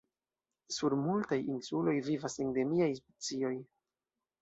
Sur multaj insuloj vivas endemiaj specioj.